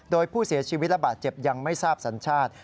โดยผู้เสียชีวิตระบาดเจ็บยังไม่ทราบสัญชาติ